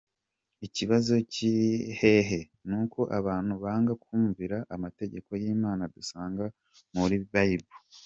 Ikibazo kili hehe? Nuko abantu banga kumvira amategeko y’imana dusanga muli Bible.